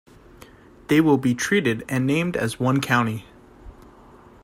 They will be treated and named as one county.